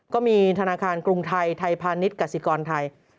ก็มีธนาคารกรุงไทยไทยพาณิชย์กสิกรไทย